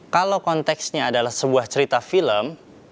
kalau konteksnya adalah sebuah cerita film